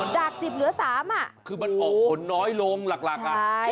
จากสิบเหลือสามอ่ะคือมันออกผลน้อยลงหลากหลากค่ะใช่